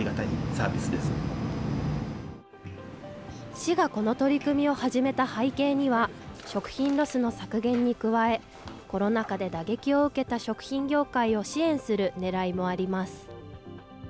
市がこの取り組みを始めた背景には、食品ロスの削減に加え、コロナ禍で打撃を受けた食品業界を支援するねらいもあります。